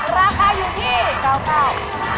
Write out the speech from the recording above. ราคาอยู่ที่